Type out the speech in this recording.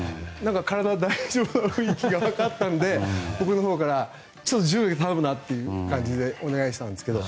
体、大丈夫な雰囲気があったので僕のほうから自由に頼むなって感じでお願いしたんですけども。